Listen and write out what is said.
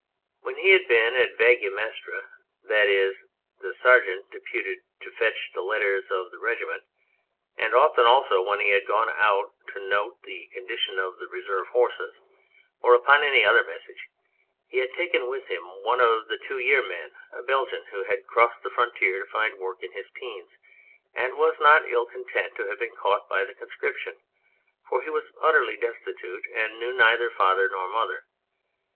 When he had been Vaguemestre, that is, the sergeant deputed to fetch the letters of the regi ment, and often also when he had gone out to note the condition of the reserve horses or upon any 170 Astarte other message, he had taken with him one of the two year men, a Belgian who had crossed the fron tier to find work in his teens, and was not ill content to have been caught by the conscription, for he was utterly destitute and knew neither father nor mother.